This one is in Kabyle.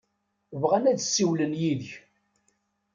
Bɣan ad ssiwlen yid-k.